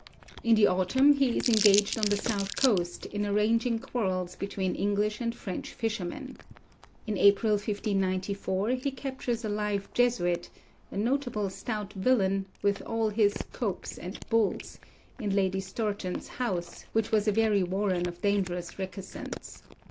In the autumn he is engaged on the south coast in arranging quarrels between English and French fishermen. In April 1594 he captures a live Jesuit, 'a notable stout villain,' with all 'his copes and bulls,' in Lady Stourton's house, which was a very warren of dangerous recusants.